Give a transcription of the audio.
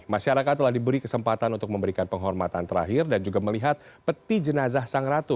masyarakat telah diberi kesempatan untuk memberikan penghormatan terakhir dan juga melihat peti jenazah sang ratu